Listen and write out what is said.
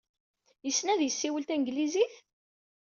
Yessen ad yessiwel tanglizit?